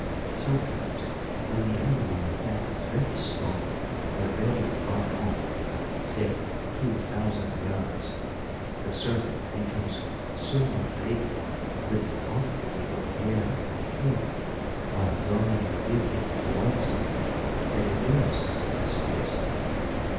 Sometimes, when the animal attacked is very strong or very far off say two thousand yards the serpent becomes so inflated with the quantity of air inhaled while drawing the victim towards it " "That it bursts?" I suggested.